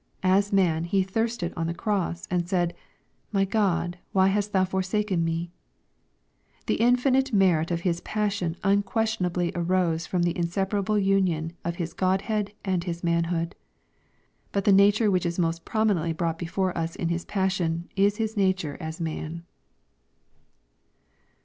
As man H« I thirsted on the croirS, and said, " My God, why hast thou forsaken / me ?" The infinite merit of His passion unquestionably arose from / tlie inseparable union of His godhead and His manhood. But the nature which is most prominently brought before us in His passion, is His nature as man.